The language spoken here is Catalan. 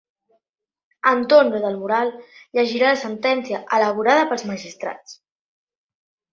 Antonio del Moral llegirà la sentència elaborada pels magistrats.